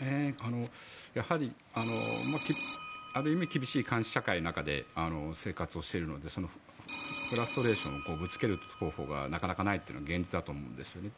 やはり、ある意味厳しい監視社会の中で生活をしているのでフラストレーションをぶつける方法がなかなかないというのが現実だと思うんですね。